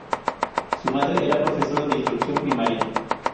Su madre era profesora de instrucción primaria.